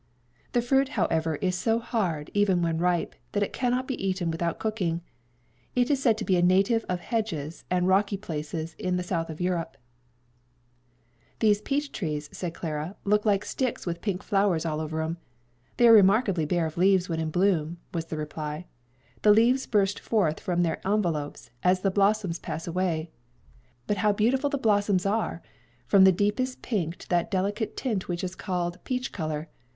The fruit, however, is so hard, even when ripe, that it cannot be eaten without cooking. It is said to be a native of hedges and rocky places in the South of Europe." [Illustration: PEACH BLOSSOM.] "These peach trees," said Clara, "look like sticks with pink flowers all over 'em." "They are remarkably bare of leaves when in bloom," was the reply: "the leaves burst forth from their envelopes as the blossoms pass away; but how beautiful the blossoms are! from the deepest pink to that delicate tint which is called peach color.